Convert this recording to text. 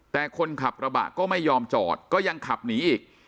แต่คนขับกระบะก็ไม่ยอมจอดก็ยังขับหนีอีก